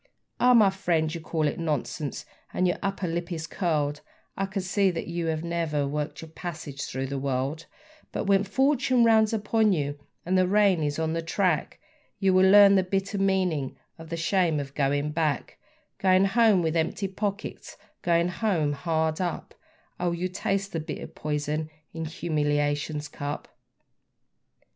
Ah! my friend, you call it nonsense, and your upper lip is curled, I can see that you have never worked your passage through the world; But when fortune rounds upon you and the rain is on the track, You will learn the bitter meaning of the shame of going back; Going home with empty pockets, Going home hard up; Oh, you'll taste the bitter poison in humiliation's cup.